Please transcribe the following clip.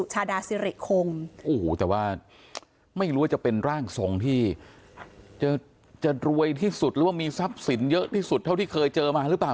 หรือว่ามีทรัพย์สินเยอะที่สุดที่เคยเจอมารึเปล่า